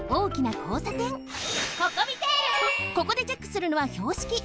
ここでチェックするのはひょうしき！